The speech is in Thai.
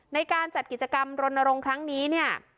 ในการจัดกิจกรรมรณรงค์ครั้งนี้เนี่ย